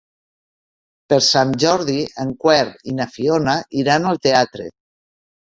Per Sant Jordi en Quer i na Fiona iran al teatre.